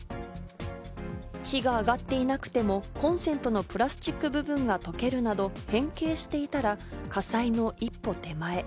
火が上がっていなくても、コンセントのプラスチック部分が溶けるなど変形していたら火災の一歩手前。